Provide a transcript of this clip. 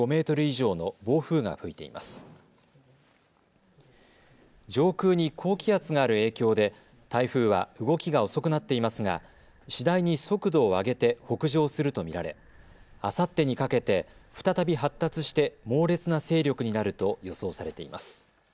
上空に高気圧がある影響で台風は動きが遅くなっていますが次第に速度を上げて北上すると見られあさってにかけて再び発達して猛烈な勢力になると予想されています。